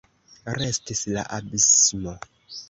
Restis la abismo.